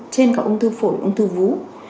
trên có ung thư phổi ung thư vú